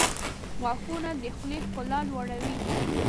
• غاښونه د خولې ښکلا لوړوي.